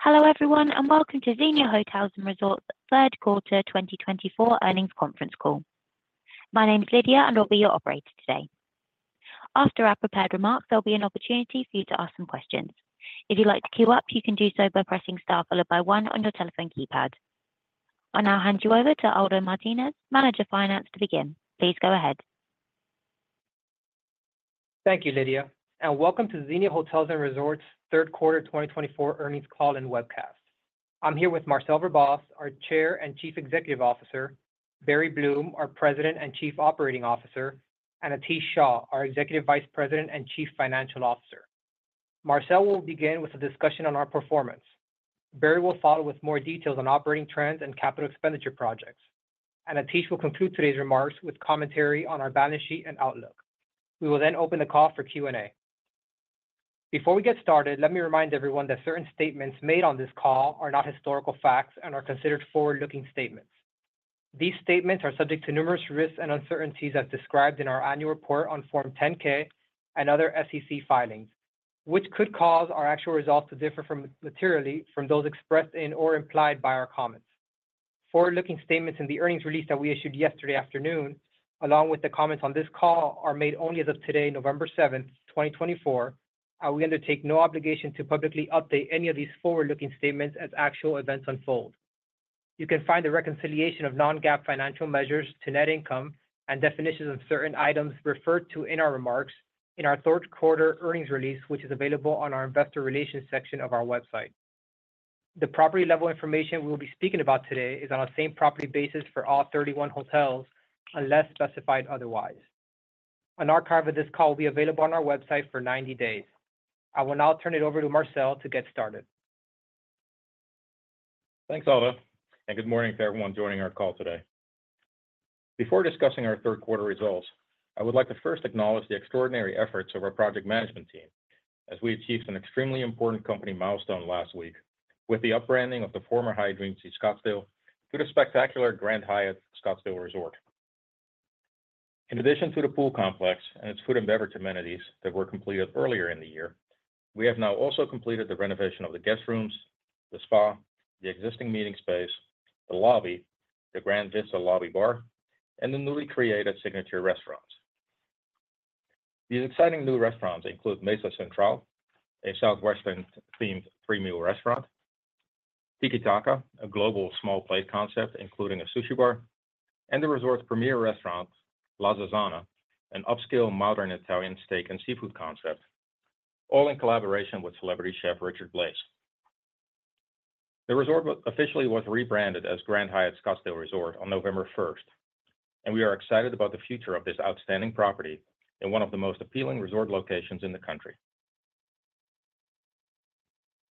Hello everyone and welcome to Xenia Hotels & Resorts' Third Quarter 2024 Earnings Conference Call. My name is Lydia and I'll be your operator today. After our prepared remarks, there'll be an opportunity for you to ask some questions. If you'd like to queue up, you can do so by pressing star followed by one on your telephone keypad. I'll now hand you over to Aldo Martinez, Manager of Finance, to begin. Please go ahead. Thank you, Lydia, and welcome to Xenia Hotels & Resorts' third quarter 2024 earnings call and webcast. I'm here with Marcel Verbaas, our Chair and Chief Executive Officer, Barry Bloom, our President and Chief Operating Officer, and Atish Shah, our Executive Vice President and Chief Financial Officer. Marcel will begin with a discussion on our performance. Barry will follow with more details on operating trends and capital expenditure projects, and Atish will conclude today's remarks with commentary on our balance sheet and outlook. We will then open the call for Q&A. Before we get started, let me remind everyone that certain statements made on this call are not historical facts and are considered forward-looking statements. These statements are subject to numerous risks and uncertainties as described in our annual report on Form 10-K and other SEC filings, which could cause our actual results to differ materially from those expressed in or implied by our comments. Forward-looking statements in the earnings release that we issued yesterday afternoon, along with the comments on this call, are made only as of today, November 7th, 2024, and we undertake no obligation to publicly update any of these forward-looking statements as actual events unfold. You can find the reconciliation of non-GAAP financial measures to net income and definitions of certain items referred to in our remarks in our third quarter earnings release, which is available on our Investor Relations section of our website. The property level information we will be speaking about today is on a same property basis for all 31 hotels unless specified otherwise. An archive of this call will be available on our website for 90 days. I will now turn it over to Marcel to get started. Thanks, Aldo, and good morning to everyone joining our call today. Before discussing our third quarter results, I would like to first acknowledge the extraordinary efforts of our project management team as we achieved an extremely important company milestone last week with the upbranding of the former Hyatt Regency Scottsdale to the spectacular Grand Hyatt Scottsdale Resort. In addition to the pool complex and its food and beverage amenities that were completed earlier in the year, we have now also completed the renovation of the guest rooms, the spa, the existing meeting space, the lobby, the Grand Vista Lobby Bar, and the newly created signature restaurants. These exciting new restaurants include Mesa Central, a southwestern-themed three-meal restaurant, Tiki Taka, a global small plate concept including a sushi bar, and the resort's premier restaurant, La Zagara, an upscale modern Italian steak and seafood concept, all in collaboration with celebrity chef Richard Blais. The resort officially was rebranded as Grand Hyatt Scottsdale Resort on November 1st, and we are excited about the future of this outstanding property in one of the most appealing resort locations in the country.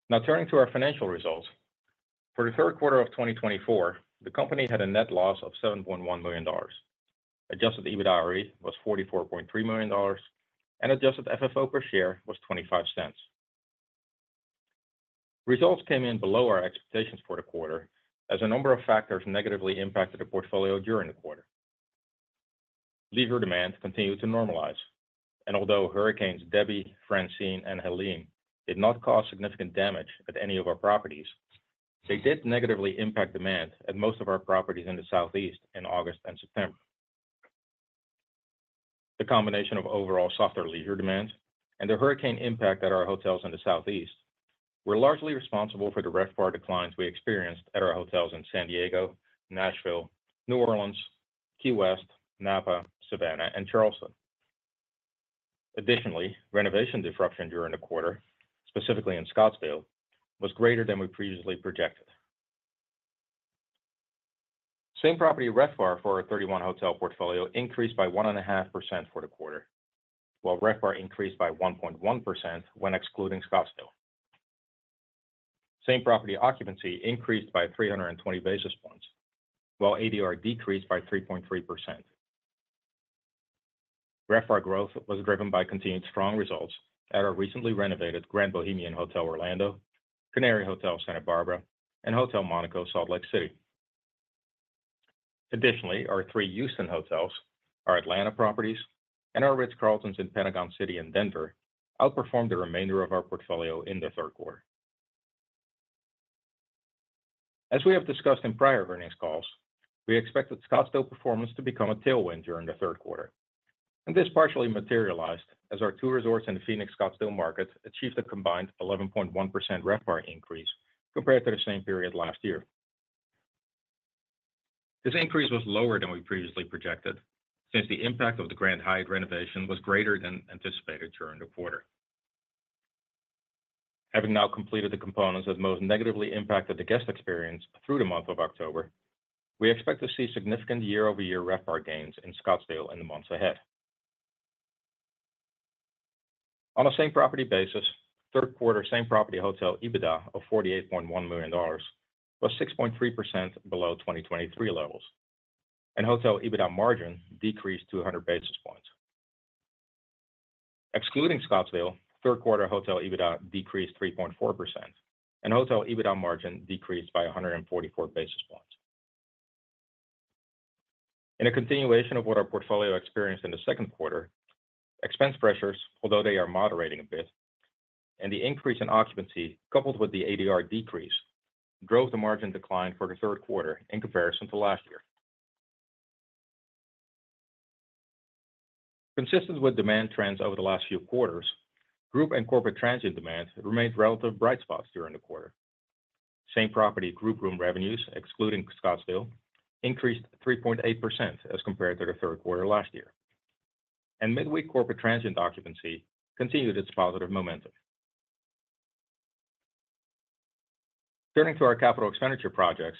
Now turning to our financial results, for the third quarter of 2024, the company had a net loss of $7.1 million. Adjusted EBITDARe was $44.3 million, and adjusted FFO per share was $0.25. Results came in below our expectations for the quarter as a number of factors negatively impacted the portfolio during the quarter. Leisure demand continued to normalize, and although hurricanes Debby, Francine, and Helene did not cause significant damage at any of our properties, they did negatively impact demand at most of our properties in the southeast in August and September. The combination of overall softer leisure demand and the hurricane impact at our hotels in the southeast were largely responsible for the RevPAR declines we experienced at our hotels in San Diego, Nashville, New Orleans, Key West, Napa, Savannah, and Charleston. Additionally, renovation disruption during the quarter, specifically in Scottsdale, was greater than we previously projected. Same property RevPAR for our 31-hotel portfolio increased by 1.5% for the quarter, while RevPAR increased by 1.1% when excluding Scottsdale. Same property occupancy increased by 320 basis points, while ADR decreased by 3.3%. RevPAR growth was driven by continued strong results at our recently renovated Grand Bohemian Hotel Orlando, Canary Hotel Santa Barbara, and Hotel Monaco Salt Lake City. Additionally, our three Houston hotels, our Atlanta properties, and our Ritz-Carltons in Pentagon City and Denver outperformed the remainder of our portfolio in the third quarter. As we have discussed in prior earnings calls, we expected Scottsdale performance to become a tailwind during the third quarter, and this partially materialized as our two resorts in the Phoenix Scottsdale market achieved a combined 11.1% RevPAR increase compared to the same period last year. This increase was lower than we previously projected since the impact of the Grand Hyatt renovation was greater than anticipated during the quarter. Having now completed the components that most negatively impacted the guest experience through the month of October, we expect to see significant year-over-year RevPAR gains in Scottsdale in the months ahead. On a same property basis, third quarter same property hotel EBITDA of $48.1 million was 6.3% below 2023 levels, and hotel EBITDA margin decreased 200 basis points. Excluding Scottsdale, third quarter hotel EBITDA decreased 3.4%, and hotel EBITDA margin decreased by 144 basis points. In a continuation of what our portfolio experienced in the second quarter, expense pressures, although they are moderating a bit, and the increase in occupancy coupled with the ADR decrease drove the margin decline for the third quarter in comparison to last year. Consistent with demand trends over the last few quarters, group and corporate transient demand remained relatively bright spots during the quarter. Same-Property group room revenues, excluding Scottsdale, increased 3.8% as compared to the third quarter last year, and midweek Corporate Transient occupancy continued its positive momentum. Turning to our capital expenditure projects,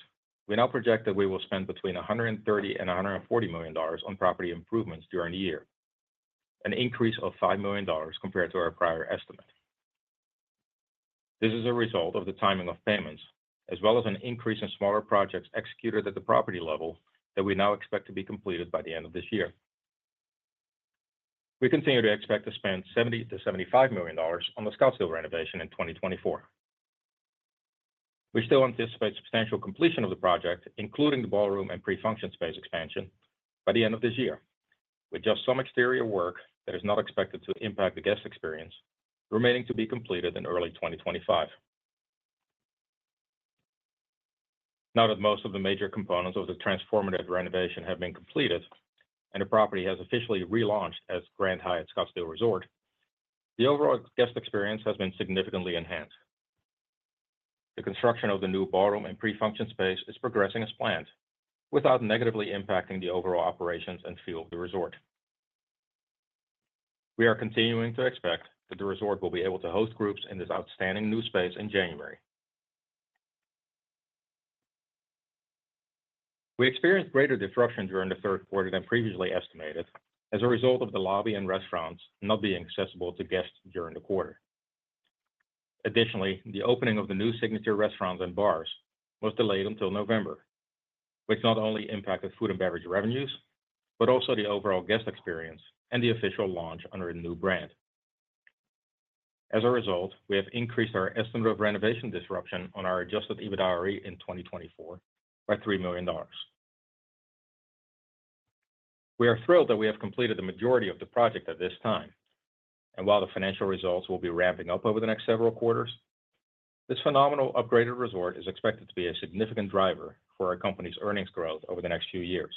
we now project that we will spend between $130 million-$140 million on property improvements during the year, an increase of $5 million compared to our prior estimate. This is a result of the timing of payments, as well as an increase in smaller projects executed at the property level that we now expect to be completed by the end of this year. We continue to expect to spend $70 million-$75 million on the Scottsdale renovation in 2024. We still anticipate substantial completion of the project, including the ballroom and pre-function space expansion, by the end of this year, with just some exterior work that is not expected to impact the guest experience remaining to be completed in early 2025. Now that most of the major components of the transformative renovation have been completed and the property has officially relaunched as Grand Hyatt Scottsdale Resort, the overall guest experience has been significantly enhanced. The construction of the new ballroom and pre-function space is progressing as planned without negatively impacting the overall operations and feel of the resort. We are continuing to expect that the resort will be able to host groups in this outstanding new space in January. We experienced greater disruption during the third quarter than previously estimated as a result of the lobby and restaurants not being accessible to guests during the quarter. Additionally, the opening of the new signature restaurants and bars was delayed until November, which not only impacted food and beverage revenues, but also the overall guest experience and the official launch under a new brand. As a result, we have increased our estimate of renovation disruption on our adjusted EBITDARe in 2024 by $3 million. We are thrilled that we have completed the majority of the project at this time, and while the financial results will be ramping up over the next several quarters, this phenomenal upgraded resort is expected to be a significant driver for our company's earnings growth over the next few years.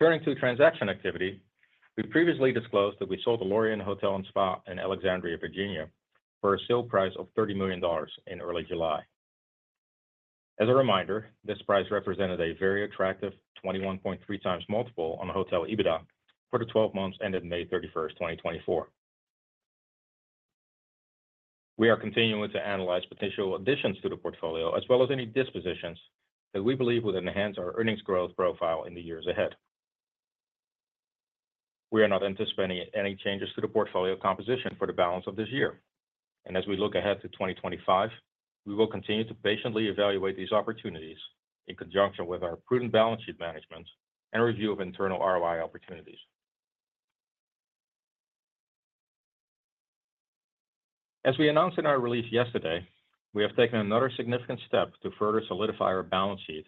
Turning to transaction activity, we previously disclosed that we sold the Lorien Hotel & Spa in Alexandria, Virginia, for a sale price of $30 million in early July. As a reminder, this price represented a very attractive 21.3x multiple on the Hotel EBITDA for the 12 months ended May 31st, 2024. We are continuing to analyze potential additions to the portfolio as well as any dispositions that we believe would enhance our earnings growth profile in the years ahead. We are not anticipating any changes to the portfolio composition for the balance of this year, and as we look ahead to 2025, we will continue to patiently evaluate these opportunities in conjunction with our prudent balance sheet management and review of internal ROI opportunities. As we announced in our release yesterday, we have taken another significant step to further solidify our balance sheet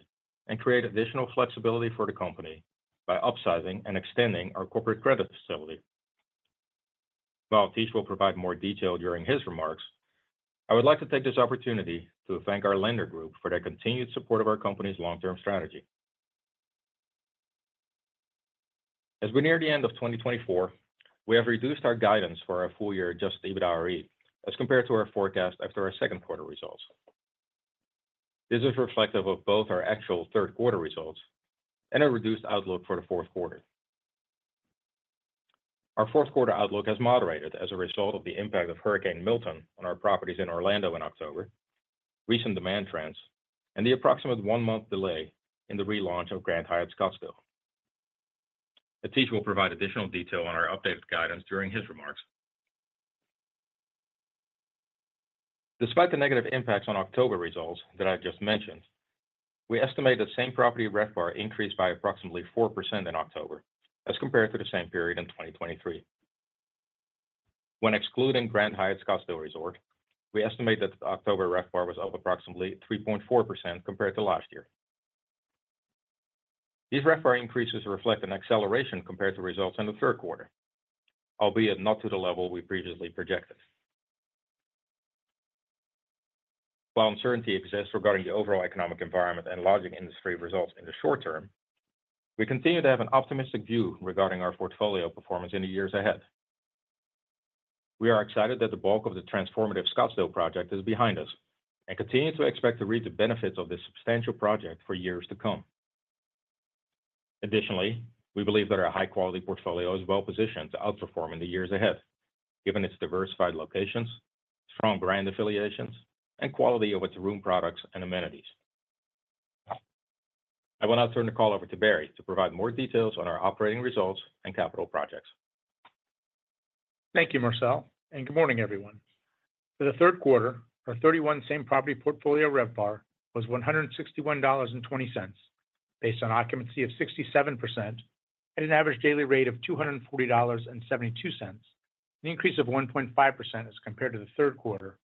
and create additional flexibility for the company by upsizing and extending our corporate credit facility. While Atish will provide more detail during his remarks, I would like to take this opportunity to thank our lender group for their continued support of our company's long-term strategy. As we near the end of 2024, we have reduced our guidance for our full-year adjusted EBITDARe as compared to our forecast after our second quarter results. This is reflective of both our actual third quarter results and a reduced outlook for the fourth quarter. Our fourth quarter outlook has moderated as a result of the impact of Hurricane Milton on our properties in Orlando in October, recent demand trends, and the approximate one-month delay in the relaunch of Grand Hyatt Scottsdale. Atish will provide additional detail on our updated guidance during his remarks. Despite the negative impacts on October results that I've just mentioned, we estimate that same-property RevPAR increased by approximately 4% in October as compared to the same period in 2023. When excluding Grand Hyatt Scottsdale Resort, we estimate that October RevPAR was up approximately 3.4% compared to last year. These RevPAR increases reflect an acceleration compared to results in the third quarter, albeit not to the level we previously projected. While uncertainty exists regarding the overall economic environment and lodging industry results in the short term, we continue to have an optimistic view regarding our portfolio performance in the years ahead. We are excited that the bulk of the transformative Scottsdale project is behind us and continue to expect to reap the benefits of this substantial project for years to come. Additionally, we believe that our high-quality portfolio is well positioned to outperform in the years ahead, given its diversified locations, strong brand affiliations, and quality of its room products and amenities. I will now turn the call over to Barry to provide more details on our operating results and capital projects. Thank you, Marcel, and good morning, everyone. For the third quarter, our 31 same-property portfolio RevPAR was $161.20 based on occupancy of 67% at an average daily rate of $240.72, an increase of 1.5% as compared to the third quarter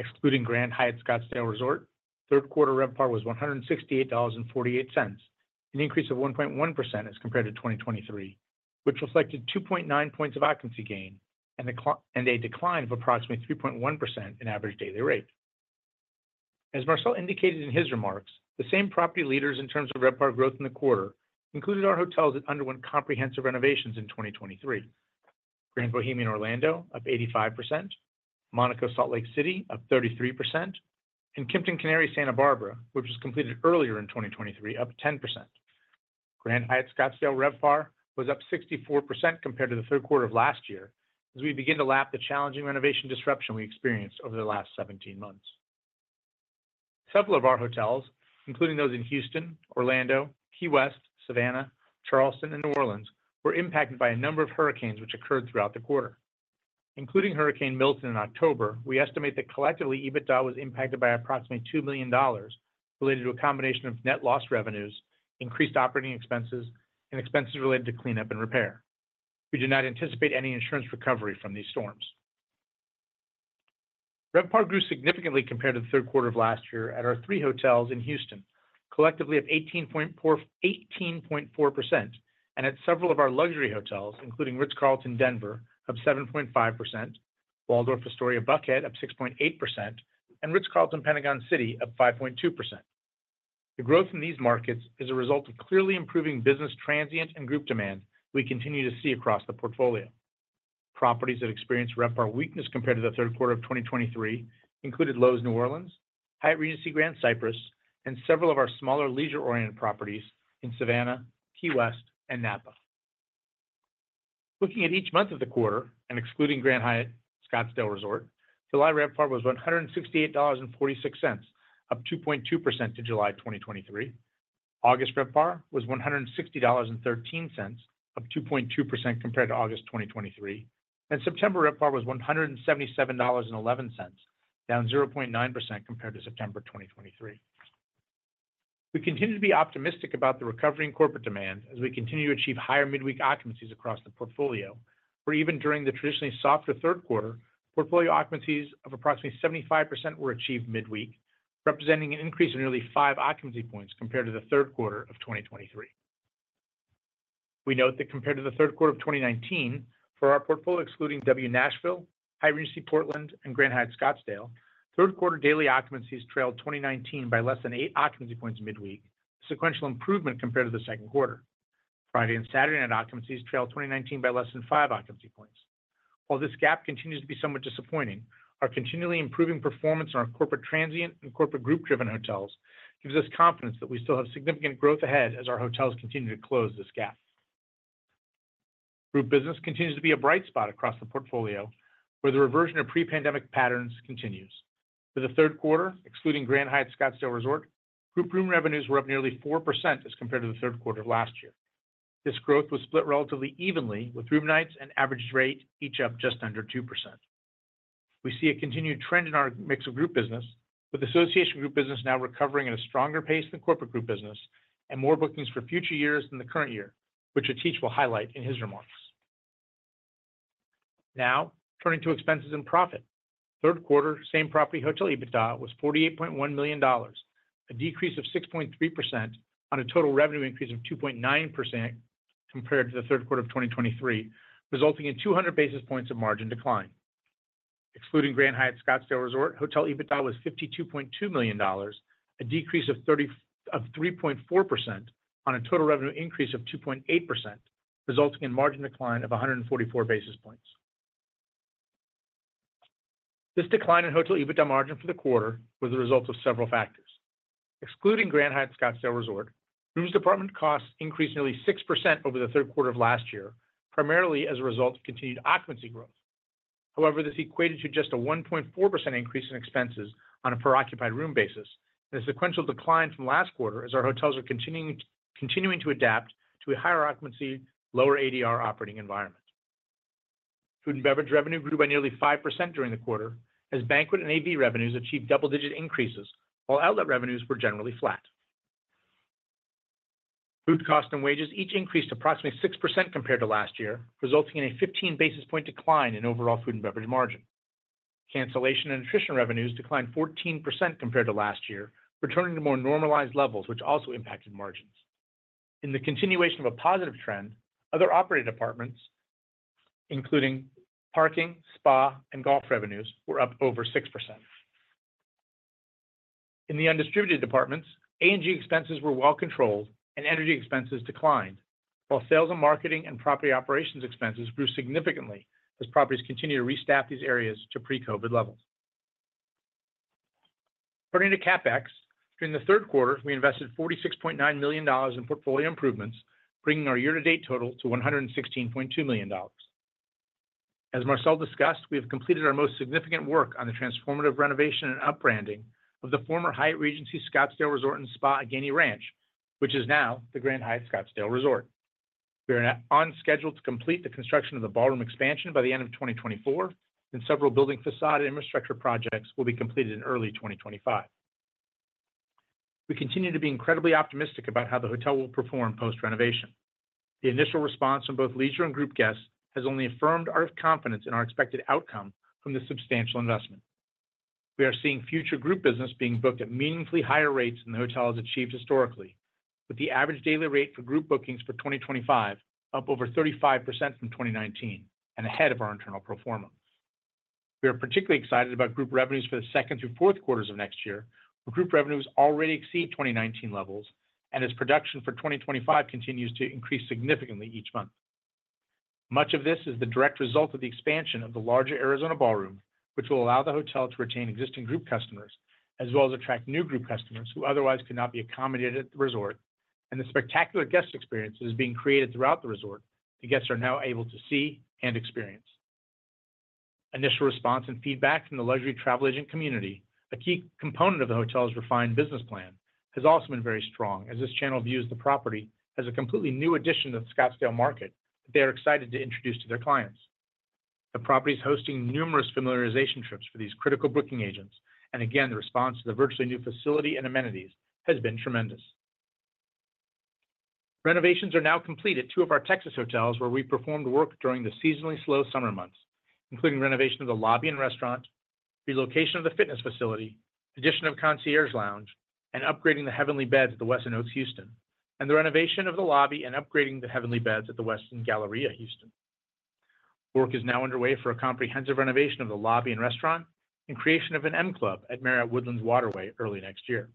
in 2023. Excluding Grand Hyatt Scottsdale Resort, third quarter RevPAR was $168.48, an increase of 1.1% as compared to 2023, which reflected 2.9 points of occupancy gain and a decline of approximately 3.1% in average daily rate. As Marcel indicated in his remarks, the same-property leaders in terms of RevPAR growth in the quarter included our hotels that underwent comprehensive renovations in 2023: Grand Bohemian Orlando up 85%, Monaco Salt Lake City up 33%, and Kimpton Canary Santa Barbara, which was completed earlier in 2023, up 10%. Grand Hyatt Scottsdale RevPAR was up 64% compared to the third quarter of last year as we begin to lap the challenging renovation disruption we experienced over the last 17 months. Several of our hotels, including those in Houston, Orlando, Key West, Savannah, Charleston, and New Orleans, were impacted by a number of hurricanes which occurred throughout the quarter. Including Hurricane Milton in October, we estimate that collectively EBITDA was impacted by approximately $2 million related to a combination of net lost revenues, increased operating expenses, and expenses related to cleanup and repair. We do not anticipate any insurance recovery from these storms. RevPAR grew significantly compared to the third quarter of last year at our three hotels in Houston, collectively of 18.4%, and at several of our luxury hotels, including Ritz-Carlton Denver, of 7.5%, Waldorf Astoria Buckhead of 6.8%, and Ritz-Carlton Pentagon City of 5.2%. The growth in these markets is a result of clearly improving business transient and group demand we continue to see across the portfolio. Properties that experienced RevPAR weakness compared to the third quarter of 2023 included Loews New Orleans, Hyatt Regency Grand Cypress, and several of our smaller leisure-oriented properties in Savannah, Key West, and Napa. Looking at each month of the quarter and excluding Grand Hyatt Scottsdale Resort, July RevPAR was $168.46, up 2.2% to July 2023. August RevPAR was $160.13, up 2.2% compared to August 2023, and September RevPAR was $177.11, down 0.9% compared to September 2023. We continue to be optimistic about the recovery in corporate demand as we continue to achieve higher midweek occupancies across the portfolio, where even during the traditionally softer third quarter, portfolio occupancies of approximately 75% were achieved midweek, representing an increase of nearly five occupancy points compared to the third quarter of 2023. We note that compared to the third quarter of 2019, for our portfolio excluding W Nashville, Hyatt Regency Portland, and Grand Hyatt Scottsdale, third quarter daily occupancies trailed 2019 by less than eight occupancy points midweek, a sequential improvement compared to the second quarter. Friday and Saturday night occupancies trailed 2019 by less than five occupancy points. While this gap continues to be somewhat disappointing, our continually improving performance in our corporate transient and corporate group-driven hotels gives us confidence that we still have significant growth ahead as our hotels continue to close this gap. Group business continues to be a bright spot across the portfolio, where the reversion of pre-pandemic patterns continues. For the third quarter, excluding Grand Hyatt Scottsdale Resort, group room revenues were up nearly 4% as compared to the third quarter of last year. This growth was split relatively evenly, with room nights and average rate each up just under 2%. We see a continued trend in our mix of group business, with association group business now recovering at a stronger pace than corporate group business and more bookings for future years than the current year, which Atish will highlight in his remarks. Now, turning to expenses and profit. Third quarter same property hotel EBITDA was $48.1 million, a decrease of 6.3% on a total revenue increase of 2.9% compared to the third quarter of 2023, resulting in 200 basis points of margin decline. Excluding Grand Hyatt Scottsdale Resort, Hotel EBITDA was $52.2 million, a decrease of 3.4% on a total revenue increase of 2.8%, resulting in margin decline of 144 basis points. This decline in Hotel EBITDA margin for the quarter was the result of several factors. Excluding Grand Hyatt Scottsdale Resort, rooms department costs increased nearly 6% over the third quarter of last year, primarily as a result of continued occupancy growth. However, this equated to just a 1.4% increase in expenses on a per-occupied room basis and a sequential decline from last quarter as our hotels are continuing to adapt to a higher occupancy, lower ADR operating environment. Food and beverage revenue grew by nearly 5% during the quarter as banquet and AV revenues achieved double-digit increases, while outlet revenues were generally flat. Food costs and wages each increased approximately 6% compared to last year, resulting in a 15 basis point decline in overall food and beverage margin. Cancellation and nutrition revenues declined 14% compared to last year, returning to more normalized levels, which also impacted margins. In the continuation of a positive trend, other operating departments, including parking, spa, and golf revenues, were up over 6%. In the undistributed departments, A&G expenses were well controlled and energy expenses declined, while sales and marketing and property operations expenses grew significantly as properties continued to restaff these areas to pre-COVID levels. Turning to CapEx, during the third quarter, we invested $46.9 million in portfolio improvements, bringing our year-to-date total to $116.2 million. As Marcel discussed, we have completed our most significant work on the transformative renovation and upbranding of the former Hyatt Regency Scottsdale Resort and Spa at Gainey Ranch, which is now the Grand Hyatt Scottsdale Resort. We are on schedule to complete the construction of the ballroom expansion by the end of 2024, and several building facade and infrastructure projects will be completed in early 2025. We continue to be incredibly optimistic about how the hotel will perform post-renovation. The initial response from both leisure and group guests has only affirmed our confidence in our expected outcome from the substantial investment. We are seeing future group business being booked at meaningfully higher rates than the hotel has achieved historically, with the average daily rate for group bookings for 2025 up over 35% from 2019 and ahead of our internal pro forma. We are particularly excited about group revenues for the second through fourth quarters of next year, where group revenues already exceed 2019 levels and as production for 2025 continues to increase significantly each month. Much of this is the direct result of the expansion of the larger Arizona Ballroom, which will allow the hotel to retain existing group customers as well as attract new group customers who otherwise could not be accommodated at the resort, and the spectacular guest experiences being created throughout the resort the guests are now able to see and experience. Initial response and feedback from the luxury travel agent community, a key component of the hotel's refined business plan, has also been very strong as this channel views the property as a completely new addition to the Scottsdale market that they are excited to introduce to their clients. The property is hosting numerous familiarization trips for these critical booking agents, and again, the response to the virtually new facility and amenities has been tremendous. Renovations are now complete at two of our Texas hotels where we performed work during the seasonally slow summer months, including renovation of the lobby and restaurant, relocation of the fitness facility, addition of concierge lounge, and upgrading the Heavenly Beds at the Westin Oaks Houston, and the renovation of the lobby and upgrading the Heavenly Beds at the Westin Galleria Houston. Work is now underway for a comprehensive renovation of the lobby and restaurant and creation of an M Club at Marriott Woodlands Waterway early next year.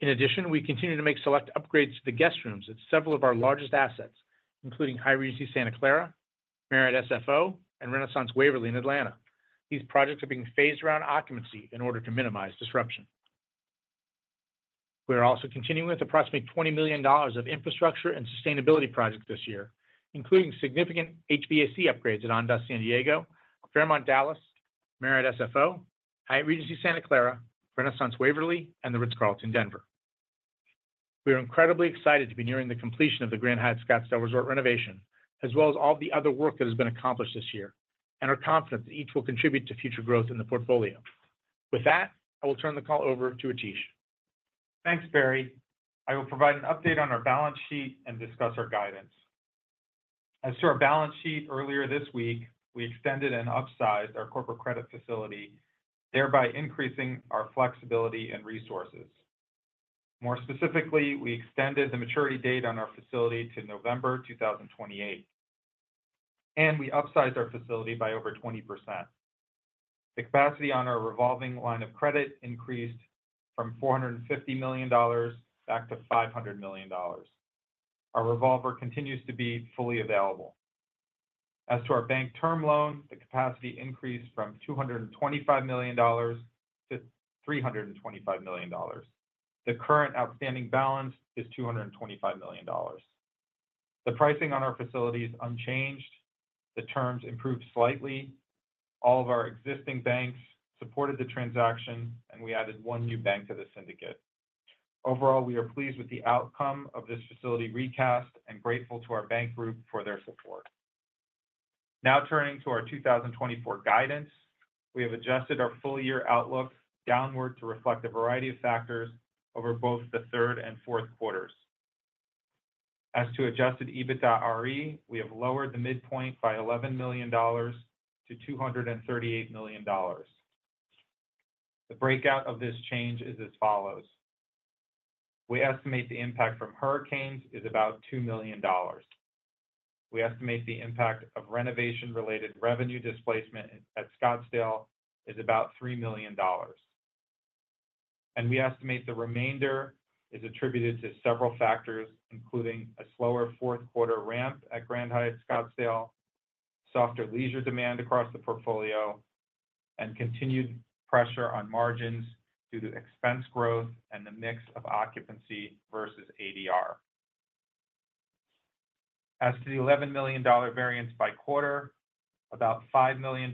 In addition, we continue to make select upgrades to the guest rooms at several of our largest assets, including Hyatt Regency Santa Clara, Marriott SFO, and Renaissance Waverly in Atlanta. These projects are being phased around occupancy in order to minimize disruption. We are also continuing with approximately $20 million of infrastructure and sustainability projects this year, including significant HVAC upgrades at Andaz San Diego, Fairmont Dallas, Marriott SFO, Hyatt Regency Santa Clara, Renaissance Waverly, and the Ritz-Carlton Denver. We are incredibly excited to be nearing the completion of the Grand Hyatt Scottsdale Resort renovation, as well as all of the other work that has been accomplished this year, and are confident that each will contribute to future growth in the portfolio. With that, I will turn the call over to Atish. Thanks, Barry. I will provide an update on our balance sheet and discuss our guidance. As to our balance sheet, earlier this week, we extended and upsized our corporate credit facility, thereby increasing our flexibility and resources. More specifically, we extended the maturity date on our facility to November 2028, and we upsized our facility by over 20%. The capacity on our revolving line of credit increased from $450 million back to $500 million. Our revolver continues to be fully available. As to our bank term loan, the capacity increased from $225 million to $325 million. The current outstanding balance is $225 million. The pricing on our facility is unchanged. The terms improved slightly. All of our existing banks supported the transaction, and we added one new bank to the syndicate. Overall, we are pleased with the outcome of this facility recast and grateful to our bank group for their support. Now turning to our 2024 guidance, we have adjusted our full year outlook downward to reflect a variety of factors over both the third and fourth quarters. As to Adjusted EBITDARe, we have lowered the midpoint by $11 million to $238 million. The breakout of this change is as follows. We estimate the impact from hurricanes is about $2 million. We estimate the impact of renovation-related revenue displacement at Scottsdale is about $3 million, and we estimate the remainder is attributed to several factors, including a slower fourth quarter ramp at Grand Hyatt Scottsdale, softer leisure demand across the portfolio, and continued pressure on margins due to expense growth and the mix of occupancy versus ADR. As to the $11 million variance by quarter, about $5 million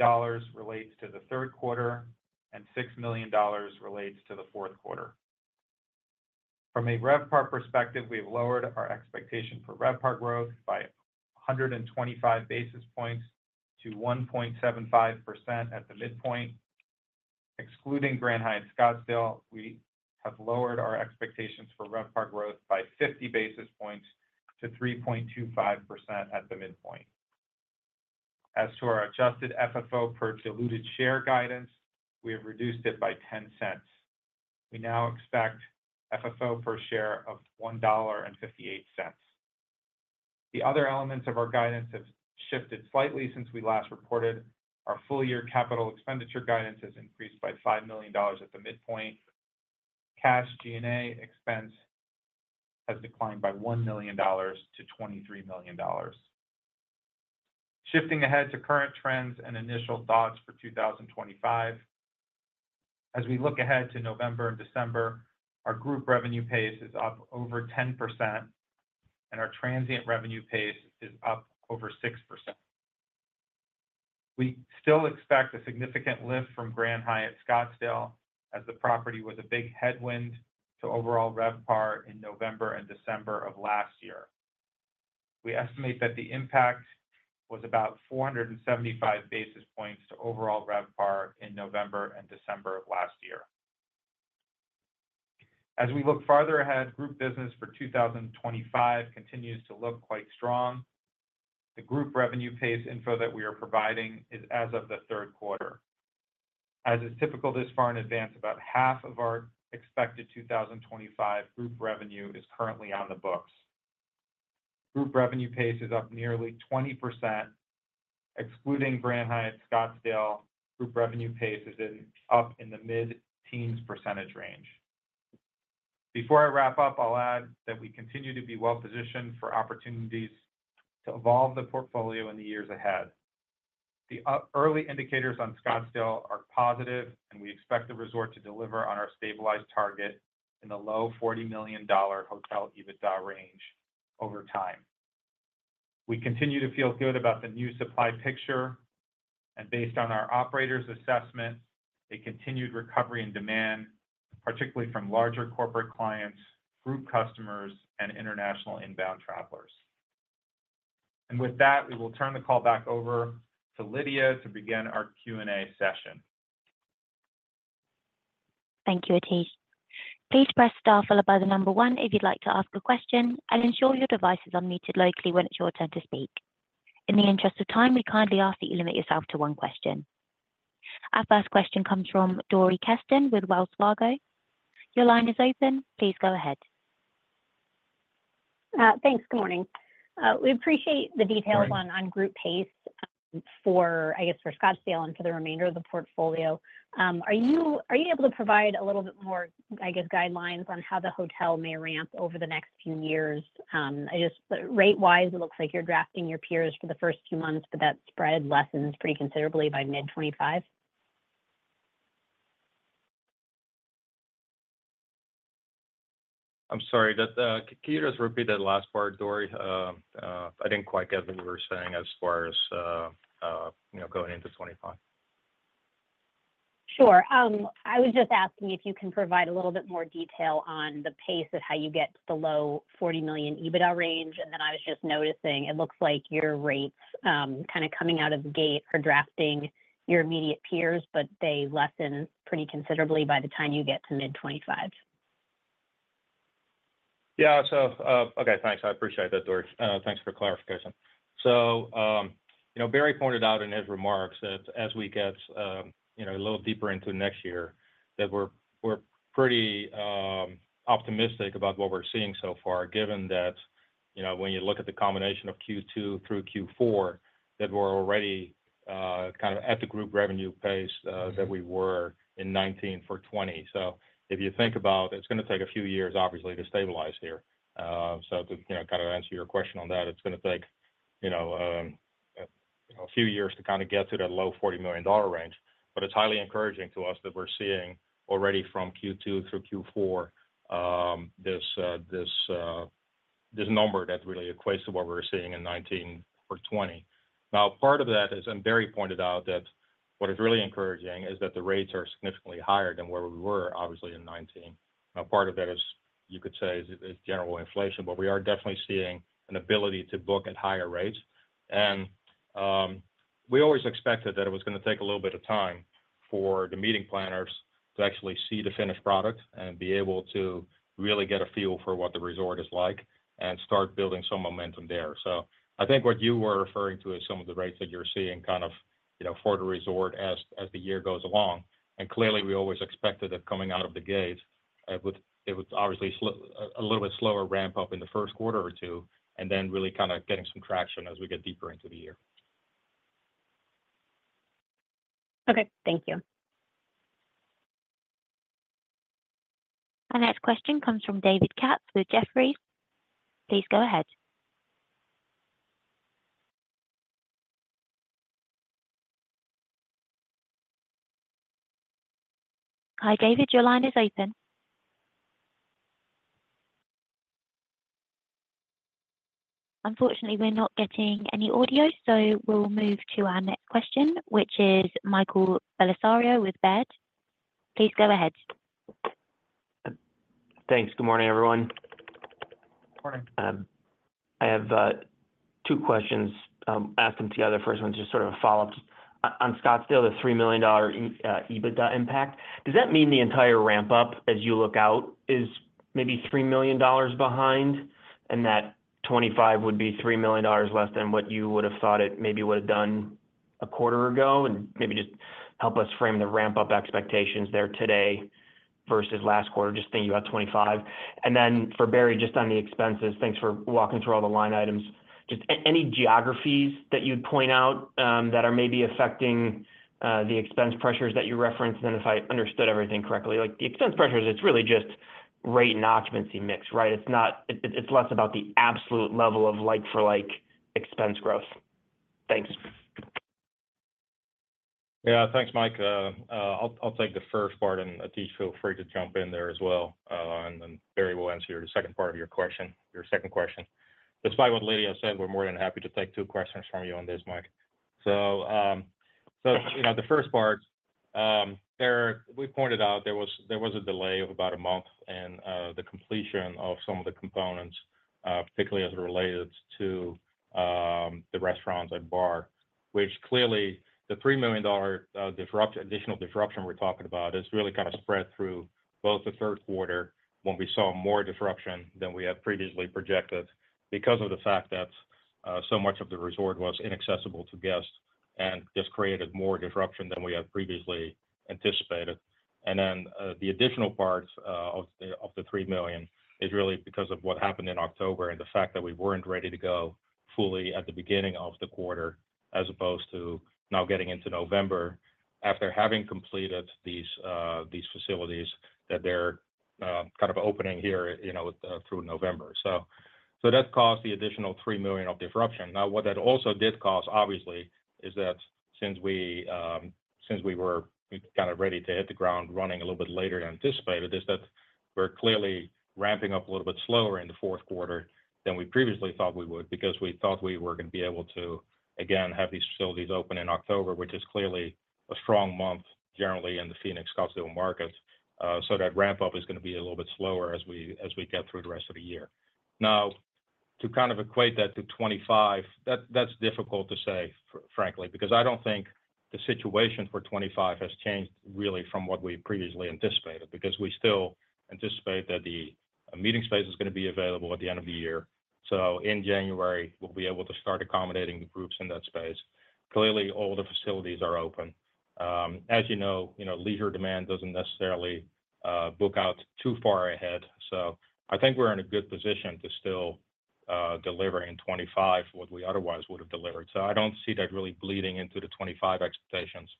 relates to the third quarter and $6 million relates to the fourth quarter. From a RevPAR perspective, we have lowered our expectation for RevPAR growth by 125 basis points to 1.75% at the midpoint. Excluding Grand Hyatt Scottsdale, we have lowered our expectations for RevPAR growth by 50 basis points to 3.25% at the midpoint. As to our adjusted FFO per diluted share guidance, we have reduced it by $0.10. We now expect FFO per share of $1.58. The other elements of our guidance have shifted slightly since we last reported. Our full year capital expenditure guidance has increased by $5 million at the midpoint. Cash G&A expense has declined by $1 million to $23 million. Shifting ahead to current trends and initial thoughts for 2025, as we look ahead to November and December, our group revenue pace is up over 10%, and our transient revenue pace is up over 6%. We still expect a significant lift from Grand Hyatt Scottsdale as the property was a big headwind to overall RevPAR in November and December of last year. We estimate that the impact was about 475 basis points to overall RevPAR in November and December of last year. As we look farther ahead, group business for 2025 continues to look quite strong. The group revenue pace info that we are providing is as of the third quarter. As is typical this far in advance, about half of our expected 2025 group revenue is currently on the books. Group revenue pace is up nearly 20%. Excluding Grand Hyatt Scottsdale, group revenue pace is up in the mid-teens percentage range. Before I wrap up, I'll add that we continue to be well positioned for opportunities to evolve the portfolio in the years ahead. The early indicators on Scottsdale are positive, and we expect the resort to deliver on our stabilized target in the low $40 million Hotel EBITDA range over time. We continue to feel good about the new supply picture, and based on our operators' assessment, a continued recovery in demand, particularly from larger corporate clients, group customers, and international inbound travelers, and with that, we will turn the call back over to Lydia to begin our Q&A session. Thank you, Atish. Please press star followed by the number one if you'd like to ask a question, and ensure your device is unmuted locally when it's your turn to speak. In the interest of time, we kindly ask that you limit yourself to one question. Our first question comes from Dori Kesten with Wells Fargo. Your line is open. Please go ahead. Thanks. Good morning. We appreciate the detailed one on group pace for, I guess, for Scottsdale and for the remainder of the portfolio. Are you able to provide a little bit more, I guess, guidelines on how the hotel may ramp over the next few years? I just, rate-wise, it looks like you're outpacing your peers for the first few months, but that spread lessens pretty considerably by mid-2025. I'm sorry. Can you just repeat that last part, Dori? I didn't quite get what you were saying as far as going into 2025. Sure. I was just asking if you can provide a little bit more detail on the pace of how you get the low $40 million EBITDA range, and then I was just noticing it looks like your rates kind of coming out of the gate are outpacing your immediate peers, but they lag pretty considerably by the time you get to mid-25. Yeah. So, okay. Thanks. I appreciate that, Dori. Thanks for the clarification. So, Barry pointed out in his remarks that as we get a little deeper into next year, that we're pretty optimistic about what we're seeing so far, given that when you look at the combination of Q2 through Q4, that we're already kind of at the group revenue pace that we were in 2019 for 2020. So if you think about it, it's going to take a few years, obviously, to stabilize here. So to kind of answer your question on that, it's going to take a few years to kind of get to that low $40 million range, but it's highly encouraging to us that we're seeing already from Q2 through Q4 this number that really equates to what we were seeing in 2019 for 2020. Now, part of that is, and Barry pointed out that what is really encouraging is that the rates are significantly higher than where we were, obviously, in 2019. Now, part of that is, you could say, is general inflation, but we are definitely seeing an ability to book at higher rates. And we always expected that it was going to take a little bit of time for the meeting planners to actually see the finished product and be able to really get a feel for what the resort is like and start building some momentum there. So I think what you were referring to is some of the rates that you're seeing kind of for the resort as the year goes along. Clearly, we always expected that coming out of the gate, it would obviously slow a little bit slower ramp up in the first quarter or two, and then really kind of getting some traction as we get deeper into the year. Okay. Thank you. Our next question comes from David Katz with Jefferies. Please go ahead. Hi, David. Your line is open. Unfortunately, we're not getting any audio, so we'll move to our next question, which is Michael Bellisario with Baird. Please go ahead. Thanks. Good morning, everyone. Good morning. I have two questions, ask them together. First one's just sort of a follow-up. On Scottsdale, the $3 million EBITDA impact, does that mean the entire ramp-up as you look out is maybe $3 million behind and that 2025 would be $3 million less than what you would have thought it maybe would have done a quarter ago? And maybe just help us frame the ramp-up expectations there today versus last quarter, just thinking about 2025. And then for Barry, just on the expenses, thanks for walking through all the line items. Just any geographies that you'd point out that are maybe affecting the expense pressures that you referenced, and if I understood everything correctly. The expense pressures, it's really just rate and occupancy mix, right? It's less about the absolute level of like-for-like expense growth. Thanks. Yeah. Thanks, Mike. I'll take the first part, and Atish, feel free to jump in there as well. And then Barry will answer your second part of your second question. Despite what Lydia said, we're more than happy to take two questions from you on this, Mike. So the first part, we pointed out there was a delay of about a month in the completion of some of the components, particularly as it related to the restaurants and bar, which clearly the $3 million additional disruption we're talking about is really kind of spread through both the third quarter when we saw more disruption than we had previously projected because of the fact that so much of the resort was inaccessible to guests and just created more disruption than we had previously anticipated. And then the additional part of the $3 million is really because of what happened in October and the fact that we weren't ready to go fully at the beginning of the quarter as opposed to now getting into November after having completed these facilities that they're kind of opening here through November. So that caused the additional $3 million of disruption. Now, what that also did cause, obviously, is that since we were kind of ready to hit the ground running a little bit later than anticipated, we're clearly ramping up a little bit slower in the fourth quarter than we previously thought we would because we thought we were going to be able to, again, have these facilities open in October, which is clearly a strong month generally in the Phoenix Scottsdale market. That ramp-up is going to be a little bit slower as we get through the rest of the year. Now, to kind of equate that to 2025, that's difficult to say, frankly, because I don't think the situation for 2025 has changed really from what we previously anticipated because we still anticipate that the meeting space is going to be available at the end of the year. So in January, we'll be able to start accommodating the groups in that space. Clearly, all the facilities are open. As you know, leisure demand doesn't necessarily book out too far ahead. So I think we're in a good position to still deliver in 2025 what we otherwise would have delivered. So I don't see that really bleeding into the 2025 expectations.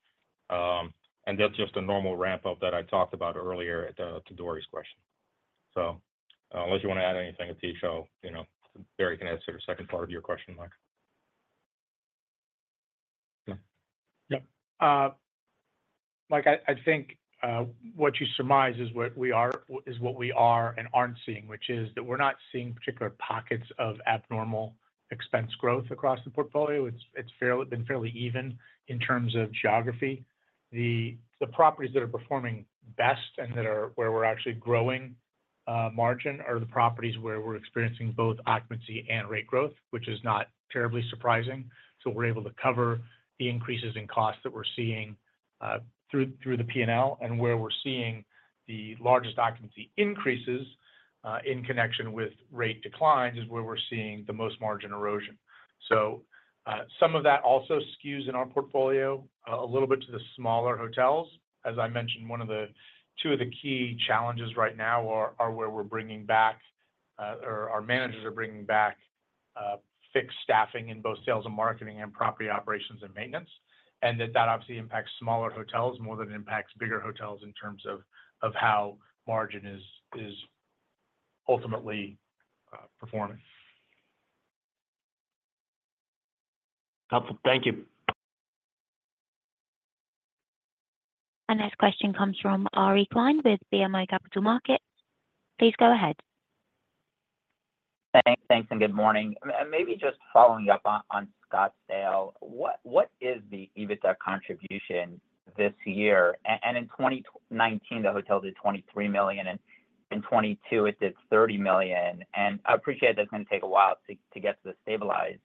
And that's just a normal ramp-up that I talked about earlier to Dori's question. So unless you want to add anything, Atish, I'll. Barry can answer the second part of your question, Mike. Yeah. Mike, I think what you surmised is what we are and aren't seeing, which is that we're not seeing particular pockets of abnormal expense growth across the portfolio. It's been fairly even in terms of geography. The properties that are performing best and that are where we're actually growing margin are the properties where we're experiencing both occupancy and rate growth, which is not terribly surprising. So we're able to cover the increases in cost that we're seeing through the P&L. And where we're seeing the largest occupancy increases in connection with rate declines is where we're seeing the most margin erosion. So some of that also skews in our portfolio a little bit to the smaller hotels. As I mentioned, two of the key challenges right now are where we're bringing back, or our managers are bringing back fixed staffing in both sales and marketing and property operations and maintenance, and that that obviously impacts smaller hotels more than it impacts bigger hotels in terms of how margin is ultimately performing. Thank you. Our next question comes from Aryeh Klein with BMO Capital Markets. Please go ahead. Thanks. And good morning. And maybe just following up on Scottsdale, what is the EBITDA contribution this year? And in 2019, the hotel did $23 million. In 2022, it did $30 million. And I appreciate that it's going to take a while to get to the stabilized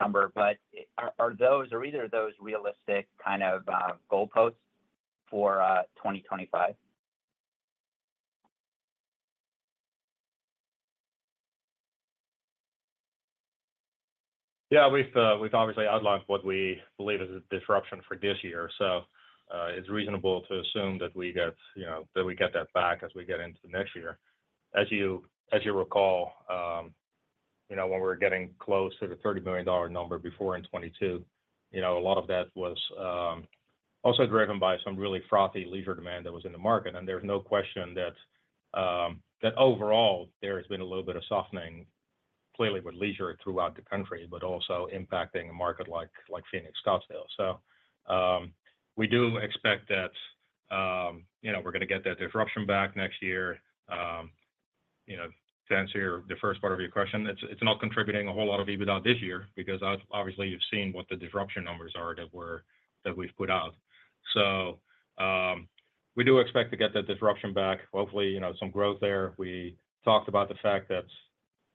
number, but are either of those realistic kind of goalposts for 2025? Yeah. We've obviously outlined what we believe is a disruption for this year. So it's reasonable to assume that we get that back as we get into the next year. As you recall, when we were getting close to the $30 million number before in 2022, a lot of that was also driven by some really frothy leisure demand that was in the market. And there's no question that overall, there has been a little bit of softening, clearly with leisure throughout the country, but also impacting a market like Phoenix Scottsdale. So we do expect that we're going to get that disruption back next year. To answer the first part of your question, it's not contributing a whole lot of EBITDA this year because obviously, you've seen what the disruption numbers are that we've put out. So we do expect to get that disruption back. Hopefully, some growth there. We talked about the fact that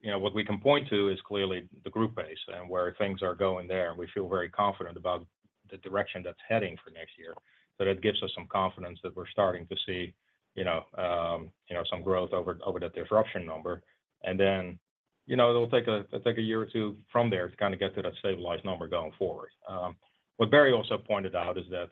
what we can point to is clearly the group base and where things are going there. And we feel very confident about the direction that's heading for next year. So that gives us some confidence that we're starting to see some growth over that disruption number. And then it'll take a year or two from there to kind of get to that stabilized number going forward. What Barry also pointed out is that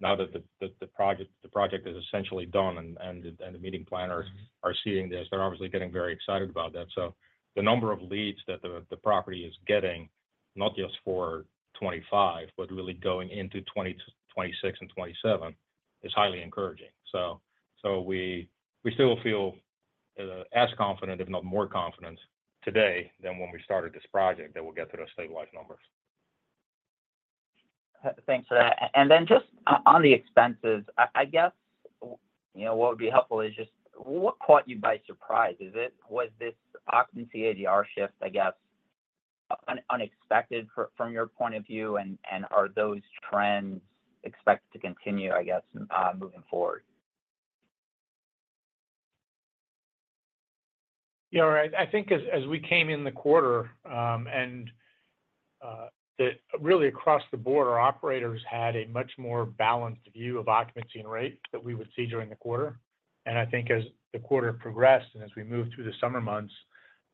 now that the project is essentially done and the meeting planners are seeing this, they're obviously getting very excited about that. So the number of leads that the property is getting, not just for 2025, but really going into 2026 and 2027, is highly encouraging. So we still feel as confident, if not more confident, today than when we started this project that we'll get to those stabilized numbers. Thanks for that. And then just on the expenses, I guess what would be helpful is just what caught you by surprise? Was this occupancy ADR shift, I guess, unexpected from your point of view? And are those trends expected to continue, I guess, moving forward? Yeah. I think as we came in the quarter, and really across the board, our operators had a much more balanced view of occupancy and rate that we would see during the quarter. And I think as the quarter progressed and as we moved through the summer months,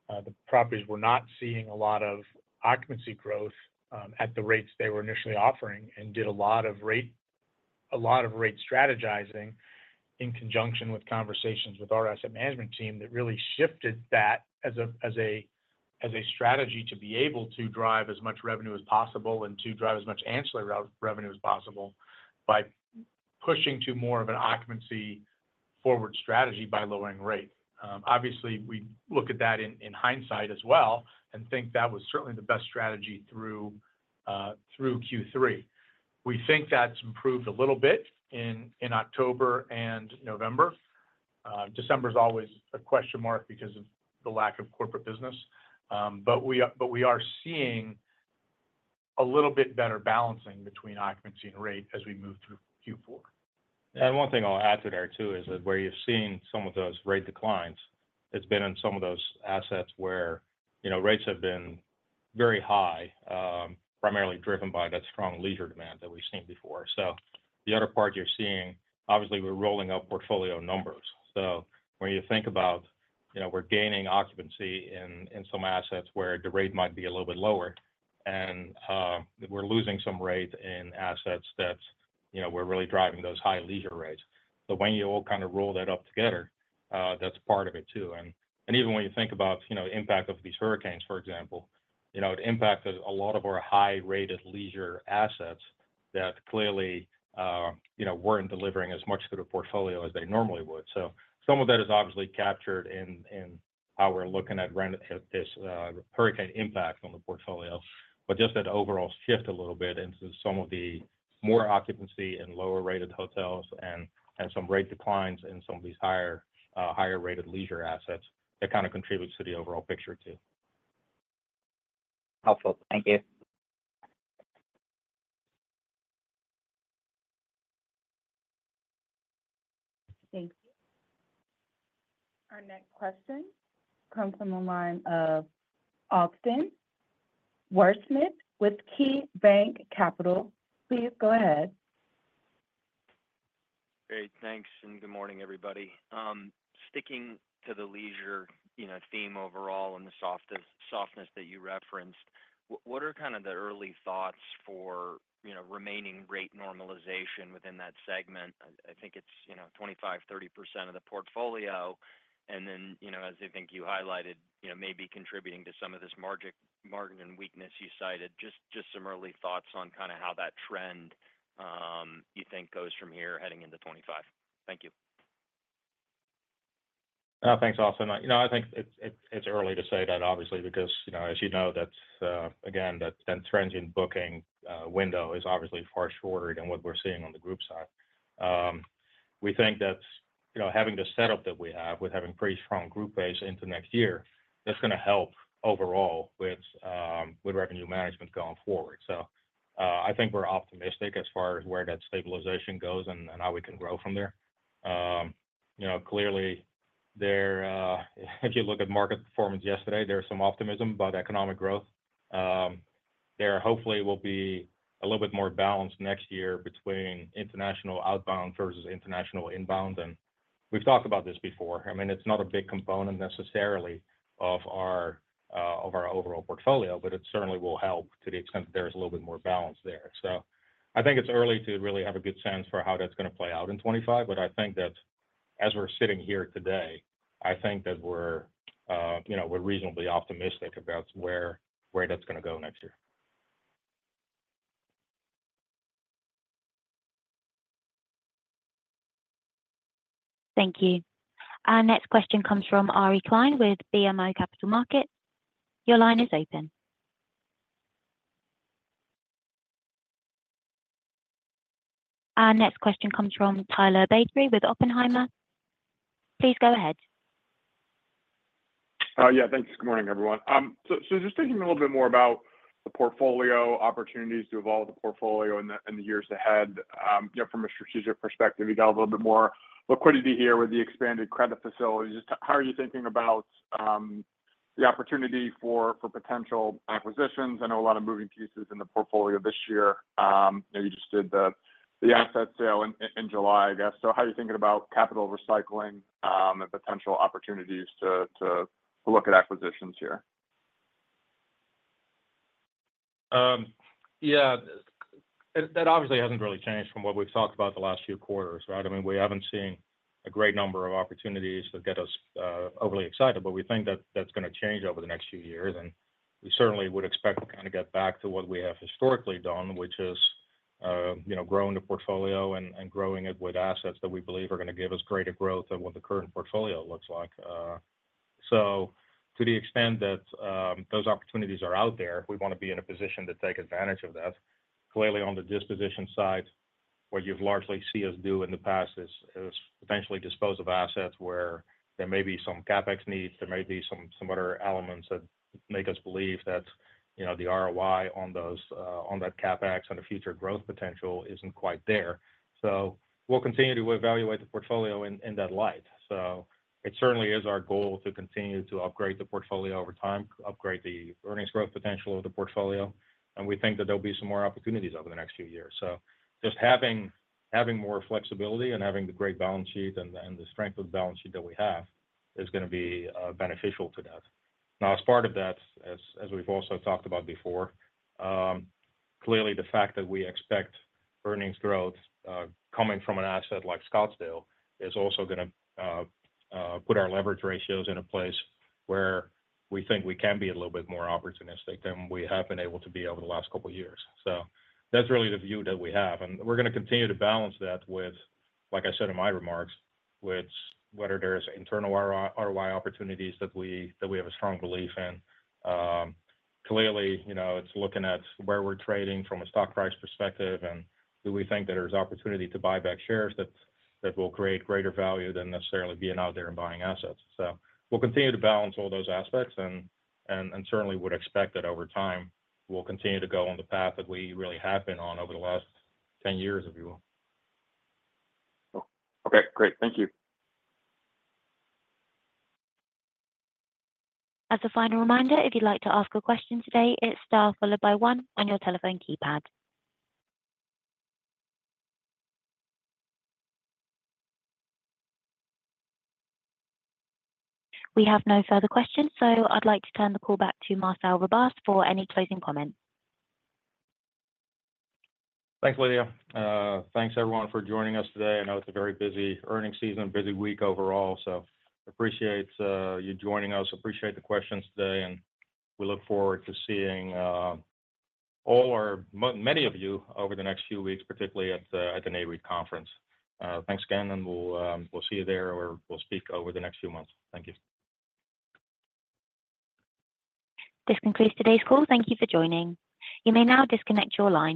the properties were not seeing a lot of occupancy growth at the rates they were initially offering and did a lot of rate strategizing in conjunction with conversations with our asset management team that really shifted that as a strategy to be able to drive as much revenue as possible and to drive as much ancillary revenue as possible by pushing to more of an occupancy-forward strategy by lowering rate. Obviously, we look at that in hindsight as well and think that was certainly the best strategy through Q3. We think that's improved a little bit in October and November. December is always a question mark because of the lack of corporate business. But we are seeing a little bit better balancing between occupancy and rate as we move through Q4. One thing I'll add to there too is that where you've seen some of those rate declines, it's been in some of those assets where rates have been very high, primarily driven by that strong leisure demand that we've seen before. The other part you're seeing, obviously, we're rolling up portfolio numbers. When you think about we're gaining occupancy in some assets where the rate might be a little bit lower, and we're losing some rate in assets that were really driving those high leisure rates. When you all kind of roll that up together, that's part of it too. Even when you think about the impact of these hurricanes, for example, it impacted a lot of our high-rated leisure assets that clearly weren't delivering as much to the portfolio as they normally would. So some of that is obviously captured in how we're looking at this hurricane impact on the portfolio. But just that overall shift a little bit into some of the more occupancy and lower-rated hotels and some rate declines in some of these higher-rated leisure assets, that kind of contributes to the overall picture too. Helpful. Thank you. Thank you. Our next question comes from the line of Austin Wurschmidt with KeyBanc Capital. Please go ahead. Great. Thanks. And good morning, everybody. Sticking to the leisure theme overall and the softness that you referenced, what are kind of the early thoughts for remaining rate normalization within that segment? I think it's 25%-30% of the portfolio. And then, as I think you highlighted, maybe contributing to some of this margin weakness you cited. Just some early thoughts on kind of how that trend you think goes from here heading into 2025. Thank you. Thanks, Austin. I think it's early to say that, obviously, because as you know, again, that trend in booking window is obviously far shorter than what we're seeing on the group side. We think that having the setup that we have with having pretty strong group base into next year, that's going to help overall with revenue management going forward, so I think we're optimistic as far as where that stabilization goes and how we can grow from there. Clearly, if you look at market performance yesterday, there's some optimism about economic growth. There hopefully will be a little bit more balance next year between international outbound versus international inbound, and we've talked about this before. I mean, it's not a big component necessarily of our overall portfolio, but it certainly will help to the extent that there's a little bit more balance there. So I think it's early to really have a good sense for how that's going to play out in 2025. But I think that as we're sitting here today, I think that we're reasonably optimistic about where that's going to go next year. Thank you. Our next question comes from Aryeh Klein with BMO Capital Markets. Your line is open. Our next question comes from Tyler Batory with Oppenheimer. Please go ahead. Yeah. Thanks. Good morning, everyone. So just thinking a little bit more about the portfolio, opportunities to evolve the portfolio in the years ahead. From a strategic perspective, you got a little bit more liquidity here with the expanded credit facilities. How are you thinking about the opportunity for potential acquisitions? I know a lot of moving pieces in the portfolio this year. You just did the asset sale in July, I guess. So how are you thinking about capital recycling and potential opportunities to look at acquisitions here? Yeah. That obviously hasn't really changed from what we've talked about the last few quarters, right? I mean, we haven't seen a great number of opportunities that get us overly excited, but we think that that's going to change over the next few years. And we certainly would expect to kind of get back to what we have historically done, which is growing the portfolio and growing it with assets that we believe are going to give us greater growth than what the current portfolio looks like. So to the extent that those opportunities are out there, we want to be in a position to take advantage of that. Clearly, on the disposition side, what you've largely seen us do in the past is potentially dispose of assets where there may be some CapEx needs. There may be some other elements that make us believe that the ROI on that CapEx and the future growth potential isn't quite there. So we'll continue to evaluate the portfolio in that light. So it certainly is our goal to continue to upgrade the portfolio over time, upgrade the earnings growth potential of the portfolio. And we think that there'll be some more opportunities over the next few years. So just having more flexibility and having the great balance sheet and the strength of the balance sheet that we have is going to be beneficial to that. Now, as part of that, as we've also talked about before, clearly, the fact that we expect earnings growth coming from an asset like Scottsdale is also going to put our leverage ratios in a place where we think we can be a little bit more opportunistic than we have been able to be over the last couple of years. So that's really the view that we have. And we're going to continue to balance that with, like I said in my remarks, with whether there are internal ROI opportunities that we have a strong belief in. Clearly, it's looking at where we're trading from a stock price perspective, and do we think that there's opportunity to buy back shares that will create greater value than necessarily being out there and buying assets? So we'll continue to balance all those aspects, and certainly would expect that over time, we'll continue to go on the path that we really have been on over the last 10 years, if you will. Okay. Great. Thank you. As a final reminder, if you'd like to ask a question today, it's star followed by one on your telephone keypad. We have no further questions, so I'd like to turn the call back to Marcel Verbaas for any closing comments. Thanks, Lydia. Thanks, everyone, for joining us today. I know it's a very busy earnings season and busy week overall. So, appreciate you joining us. Appreciate the questions today, and we look forward to seeing many of you over the next few weeks, particularly at the NAREIT Conference. Thanks again, and we'll see you there or we'll speak over the next few months. Thank you. This concludes today's call. Thank you for joining. You may now disconnect your line.